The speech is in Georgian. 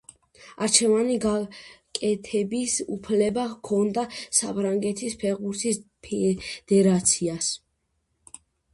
არჩევანის გაკეთების უფლება ჰქონდა საფრანგეთის ფეხბურთის ფედერაციას.